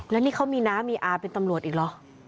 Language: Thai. แล้วนี่เขามีน้ามีอาเป็นตำรวจอีกเหรอ